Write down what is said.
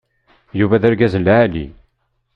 Yuba d argaz n lεali.